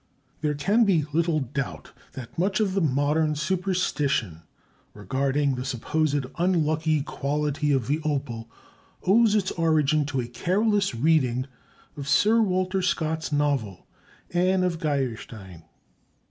There can be little doubt that much of the modern superstition regarding the supposed unlucky quality of the opal owes its origin to a careless reading of Sir Walter Scott's novel, "Anne of Geierstein."